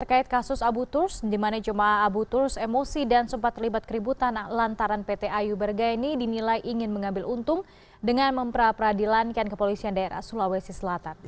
terkait kasus abu turs di mana jemaah abu turs emosi dan sempat terlibat keributan lantaran pt ayu bergaya ini dinilai ingin mengambil untung dengan memperadilankan kepolisian daerah sulawesi selatan